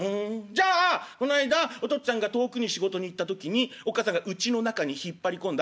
じゃあこの間お父っつぁんが遠くに仕事に行った時におっ母さんがうちの中に引っ張り込んだ